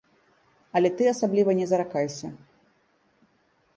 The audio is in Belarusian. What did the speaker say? Але ты асабліва не заракайся.